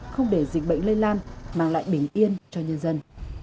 không để dịch bệnh lây lan mang lại bình yên cho nhân dân